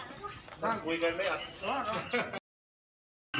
คุยกันไหมอ่ะครับ